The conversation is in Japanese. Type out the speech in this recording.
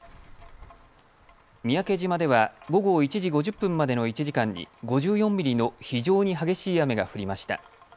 三宅島では午後１時５０分までの１時間に５４ミリの非常に激しい雨が降りました。